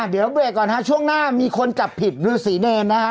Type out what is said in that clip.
เดี๋ยวเบรกก่อนฮะช่วงหน้ามีคนจับผิดฤษีเนรนะฮะ